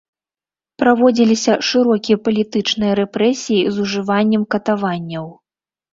Праводзіліся шырокія палітычныя рэпрэсіі з ужываннем катаванняў.